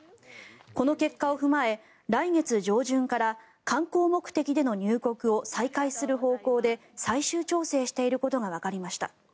この結果を踏まえ、来月上旬から観光目的での入国を再開する方向で最終調整していることがわかりました。